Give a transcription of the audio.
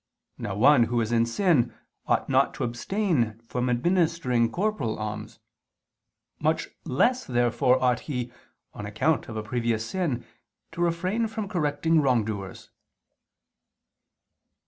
Now one who is in sin ought not to abstain from administering corporal alms. Much less therefore ought he, on account of a previous sin, to refrain from correcting wrongdoers.